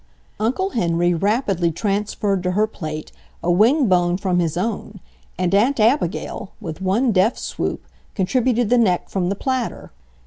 Uncle Henry rapidly transferred to her plate a wing bone from his own, and Aunt Abigail, with one deft swoop, contributed the neck from the platter.